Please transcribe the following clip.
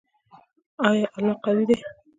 آیا الله قوی دی؟